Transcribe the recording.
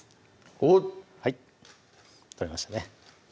おっ取れましたね